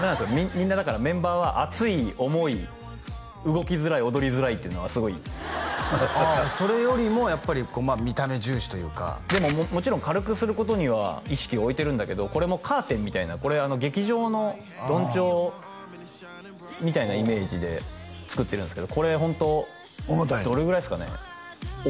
みんなだからメンバーは暑い重い動きづらい踊りづらいっていうのがすごいああそれよりもやっぱり見た目重視というかでももちろん軽くすることには意識を置いてるんだけどこれもカーテンみたいなこれあの劇場の緞帳みたいなイメージで作ってるんですけどこれホントどれぐらいですかね重たいの？